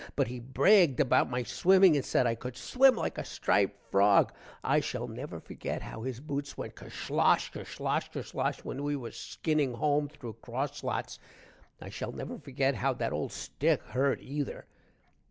but he braged about my swimming and said i cood swim like a striped frog. i shall never forget how his boots went kerslosh kerslosh kerslosh when we were skinning home thru croslots. i shall never forget how that old stick hurt either.